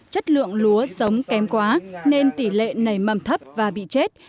chất lượng lúa giống kém quá nên tỷ lệ này mầm thấp và bị chết